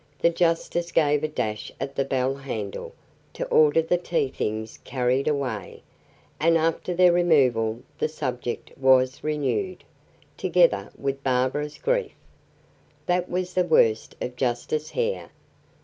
The justice gave a dash at the bell handle, to order the tea things carried away, and after their removal the subject was renewed, together with Barbara's grief. That was the worst of Justice Hare.